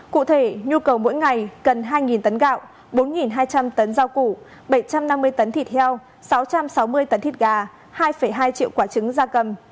cụ thể nhu cầu mỗi ngày cần hai tấn gạo bốn hai trăm linh tấn rau củ bảy trăm năm mươi tấn thịt heo sáu trăm sáu mươi tấn thịt gà hai hai triệu quả trứng da cầm